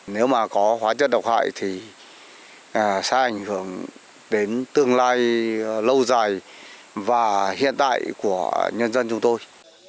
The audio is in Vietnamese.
nếu mà có hóa chất độc hại thì sẽ ảnh hưởng đến tương lai lâu dài và hiện tại của nhân dân chúng tôi